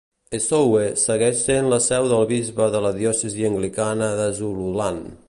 Eshowe segueix sent la seu del bisbe de la Diòcesi Anglicana de Zululand.